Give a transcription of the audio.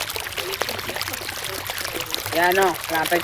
Agintariek nazioarteko laguntza eskatu dute, eta hori iristen hasia da.